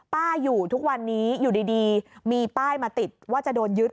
อยู่ทุกวันนี้อยู่ดีมีป้ายมาติดว่าจะโดนยึด